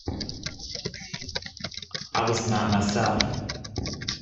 I was not myself.